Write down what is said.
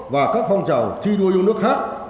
và các phong trào thi đua dung nước khác